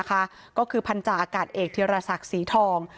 ก็คือพันธาอากาศเอกธีรศักดิ์ศรีทอง